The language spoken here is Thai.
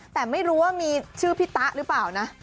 แต่ไม่รู้ว่ามีชื่อพี่ตะหรือเปล่านะ